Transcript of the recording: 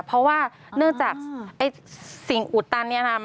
เพราะว่าเนื่องจากสิ่งอุดตันเนี่ยนะคะ